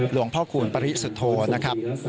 หลวงพ่อคูณปริสุทธโธนะครับ